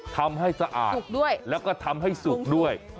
ทำให้สะอาดแล้วก็ทำให้สุกด้วย